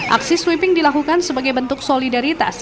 aksi sweeping dilakukan sebagai bentuk solidaritas